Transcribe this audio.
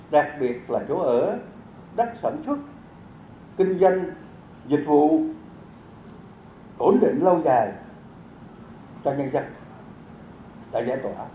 đặc biệt là chỗ ở đất sản xuất kinh doanh dịch vụ ổn định lâu dài cho nhân dân